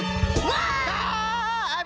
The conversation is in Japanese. わあ！